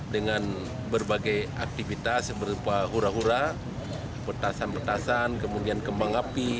dengan berbagai aktivitas berupa hura hura petasan petasan kemudian kembang api